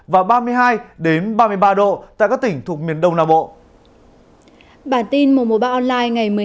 và ba mươi hai đến ba mươi hai độ trong ngày